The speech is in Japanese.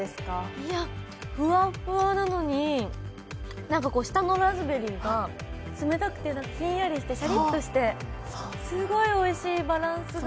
フワフワなのに、下のラズベリーが冷たくてひんやりして、シャリッとして、すごいおいしい、バランスが。